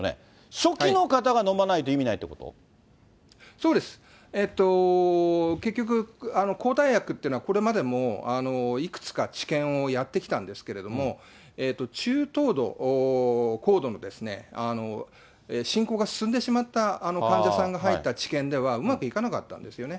初期の方が飲まないと意味ないっそうです、結局抗体薬っていうのは、これまでもいくつか治験をやってきたんですけれども、中等度、高度の進行が進んでしまった患者さんの入った治験ではうまくいかなかったんですよね。